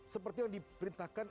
seperti yang diperintahkan